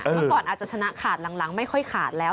เมื่อก่อนอาจจะชนะขาดหลังไม่ค่อยขาดแล้ว